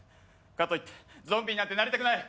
かといってゾンビになんてなりたくない。